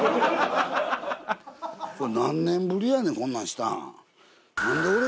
何年ぶりやねんこんなんしたん。